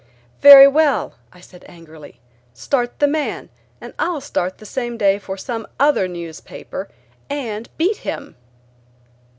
"Very well," I said angrily, "Start the man, and I'll start the same day for some other newspaper and beat him."